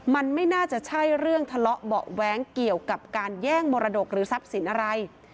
มันไม่น่าจะใช่เรื่องทะเลาะเบาะแว้งเกี่ยวกับการแย่งมรดกหรือทรัพย์สินอะไร